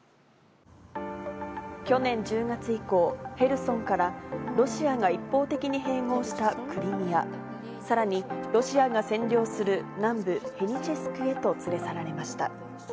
去年１０月以降、ヘルソンからロシアが一方的に併合したクリミア、さらに、ロシアが占領する南部ヘニチェスクへと連れ去られました。